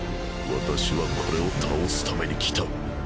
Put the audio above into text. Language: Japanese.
私はこれを倒すために来た。